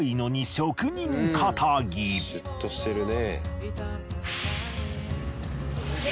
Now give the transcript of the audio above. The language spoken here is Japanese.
シュッとしてるね。